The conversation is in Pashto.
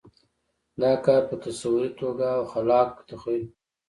دا کار په تصوري توګه او خلاق تخیل کوو.